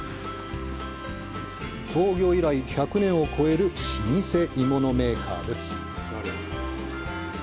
創業以来１００年を超える老舗鋳物メーカーです。